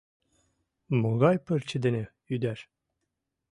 Могай пырче дене ӱдаш?